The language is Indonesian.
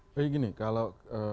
jadi gini kalau